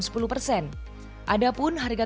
ada pun harga tiket menurut saya